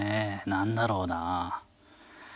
何だろうな。